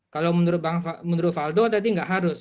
kalau menurut yerfado tadi tidak harus